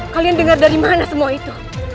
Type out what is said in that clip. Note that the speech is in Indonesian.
kalian dengar dari mana semua itu